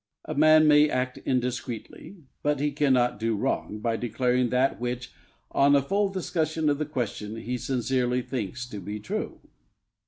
Bayle. A man may act indiscreetly, but he cannot do wrong, by declaring that which, on a full discussion of the question, he sincerely thinks to be true.